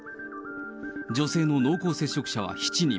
女性の濃厚接触者は７人。